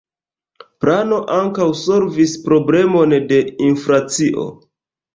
Plano ankaŭ solvis problemon de inflacio.